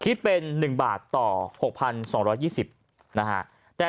ก็ถือว่าถูกเหมือนกัน